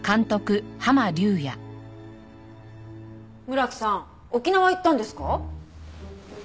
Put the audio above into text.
村木さん沖縄行ったんですか？